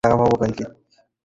ওর মুখ দেখ।